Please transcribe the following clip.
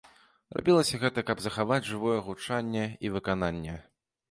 Рабілася гэта, каб захаваць жывое гучанне і выкананне.